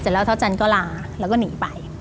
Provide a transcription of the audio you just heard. แล้วเท้าจันก็ลาแล้วก็หนีไป